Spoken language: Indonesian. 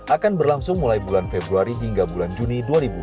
akan berlangsung mulai bulan februari hingga bulan juni dua ribu dua puluh